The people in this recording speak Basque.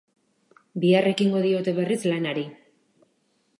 Bihar ekingo diote berriz lanari.